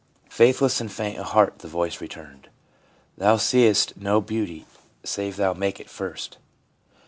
'" Faithless and faint of heart," the voice returned, " Thou seest no beauty save thou make it first.